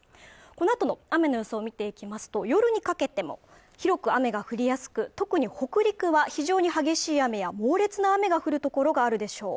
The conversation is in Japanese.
このあとの雨の予想見ていきますと夜にかけても広く雨が降りやすく特に北陸は非常に激しい雨や猛烈な雨が降る所があるでしょう